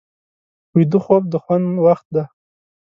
ویده خوب د خوند وخت دی